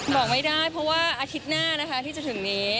บอกไม่ได้เพราะว่าอาทิตย์หน้านะคะที่จะถึงนี้